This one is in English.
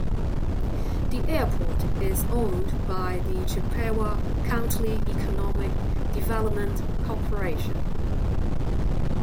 The airport is owned by the Chippewa County Economic Development Corporation.